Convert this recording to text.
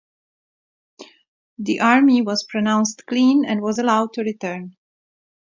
The army was pronounced clean and was allowed to return.